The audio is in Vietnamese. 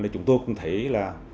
chúng tôi cũng thấy là